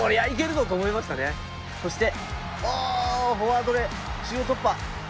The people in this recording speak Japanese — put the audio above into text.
そして、フォワードで中央突破。